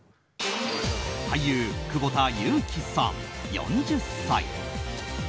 俳優・久保田悠来さん、４０歳。